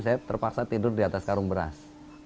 saya terpaksa tidur di atas karung beras